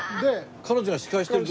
彼女が司会してる時に。